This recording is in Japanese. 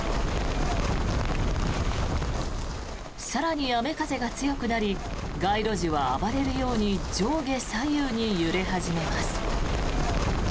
更に雨風が強くなり街路樹は暴れるように上下左右に揺れ始めます。